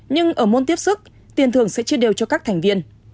nhưng ở môn tiếp xức tiền thường sẽ chia đều cho các thành viên